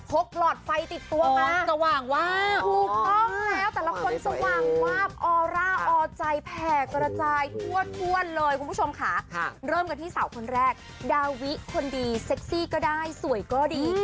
พกไฟมาด้วยเหรออะพกไฟมาด้วยเหรอ